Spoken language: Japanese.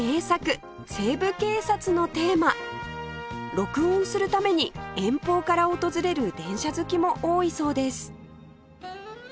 録音するために遠方から訪れる電車好きも多いそうです